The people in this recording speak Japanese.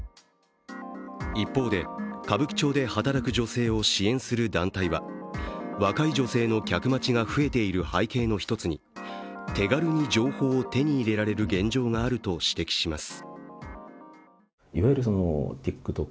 一方で、歌舞伎町で働く女性を支援する団体は若い女性の客待ちが増えている背景の一つに手軽に情報を手に入れられる現状があると指摘します。